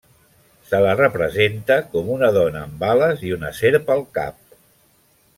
Se la representa com una dona amb ales i una serp al cap.